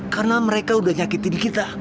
karena mereka udah nyakitin kita